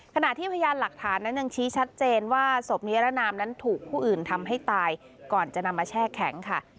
ขณะที่พยานหลักฐานนั้นยังชี้ชัดเจนว่าศพนิรนามนั้นถูกผู้อื่นทำให้ตายก่อนจะนำมาแช่แข็งค่ะ